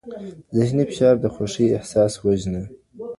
ذهني فشار د خوښۍ احساس وژني.